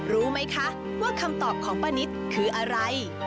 รู้ไหมคะว่าคำตอบของป้านิตคืออะไร